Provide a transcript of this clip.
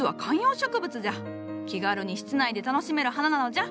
気軽に室内で楽しめる花なのじゃ。